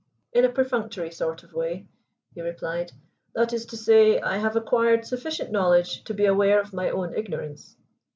"In a perfunctory sort of way," he replied. "That is to say, I have acquired sufficient knowledge to be aware of my own ignorance."